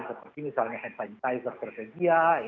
seperti misalnya hand sanitizer tersedia